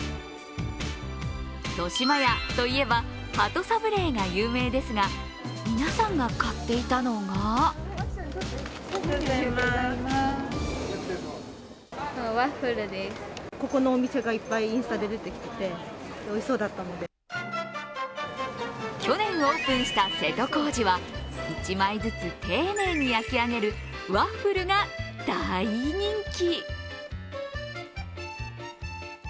豊島屋といえば、鳩サブレーが有名ですが、皆さんが買っていたのが去年オープンした瀬戸小路は１枚ずつ丁寧に焼き上げるわっふるが大人気。